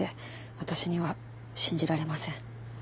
私には信じられません。